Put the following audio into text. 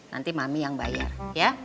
nanti mami yang bayar ya